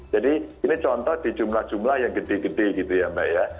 jadi ini contoh di jumlah jumlah yang gede gede gitu ya mbak ya